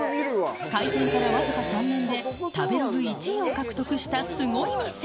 開店から僅か３年で、食べログ１位を獲得したすごい店。